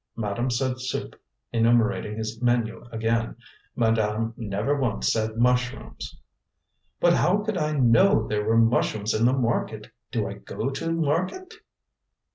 Madame said 'Soup,'" enumerating his menu again; "madame never once said mushrooms." "But how could I know there were mushrooms in the market? Do I go to market?"